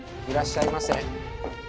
いらっしゃいませ。